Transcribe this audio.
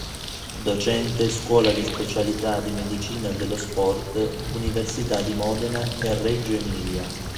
Docente Scuola di Specialità di Medicina dello sport Università di Modena e Reggio Emilia.